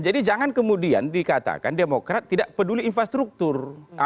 jadi jangan kemudian dikatakan demokrat tidak peduli infrastruktur